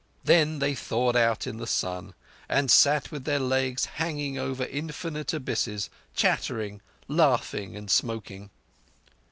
Then they thawed out in the sun, and sat with their legs hanging over infinite abysses, chattering, laughing, and smoking.